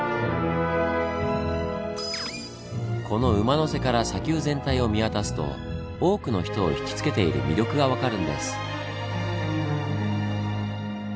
この「馬の背」から砂丘全体を見渡すと多くの人をひきつけている魅力が分かるんです。